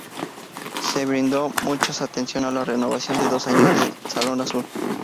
Se brindó mucha atención a la renovación de dos años del Salón Azul.